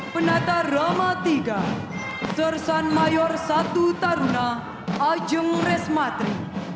penata rama tiga sersan mayor satu taruna ajeng resmatri